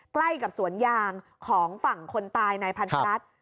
ใกล้กับสวนยางของฝั่งคนตายนายพันธรัฐ